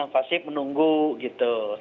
pasif menunggu gitu